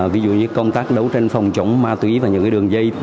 ví dụ như công tác đấu tranh phòng chống ma túy và những đường dây